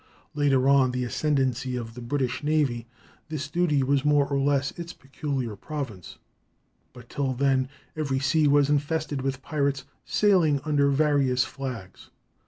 Later, on the ascendency of the British navy, this duty was more or less its peculiar province; but till then every sea was infested with pirates sailing under various flags.